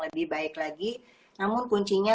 lebih baik lagi namun kuncinya